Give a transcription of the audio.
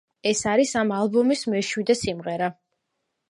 ეს არის ამ ალბომის მეშვიდე სიმღერა.